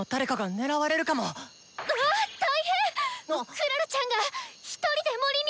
クララちゃんが１人で森に！